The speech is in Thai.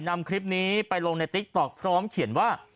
นำคลิปนี้ไปลงในติ๊กต๊อกพร้อมเขียนว่า